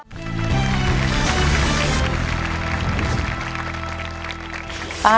ขอเชิญป้าแจ้วมาต่อชีวิตเป็นคนต่อไปครับ